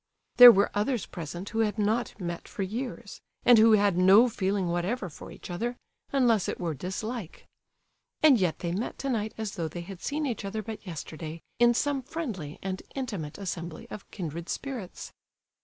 There were others present who had not met for years, and who had no feeling whatever for each other, unless it were dislike; and yet they met tonight as though they had seen each other but yesterday in some friendly and intimate assembly of kindred spirits.